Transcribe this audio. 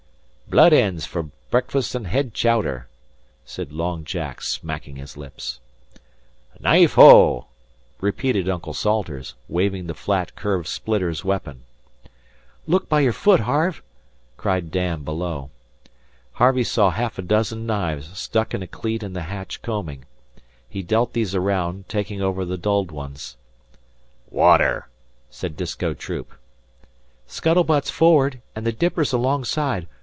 "Blood ends for breakfast an' head chowder," said Long Jack, smacking his lips. "Knife oh!" repeated Uncle Salters, waving the flat, curved splitter's weapon. "Look by your foot, Harve," cried Dan below. Harvey saw half a dozen knives stuck in a cleat in the hatch combing. He dealt these around, taking over the dulled ones. "Water!" said Disko Troop. "Scuttle butt's for'ard an' the dipper's alongside.